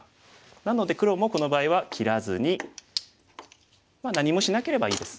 なので黒もこの場合は切らずにまあ何もしなければいいです。